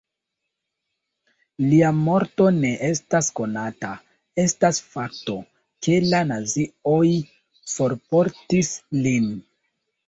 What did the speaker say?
Lia morto ne estas konata, estas fakto, ke la nazioj forportis lin.